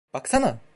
Baksana!